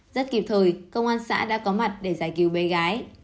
rất kịp thời công an xã đã có mặt để giải cứu bé gái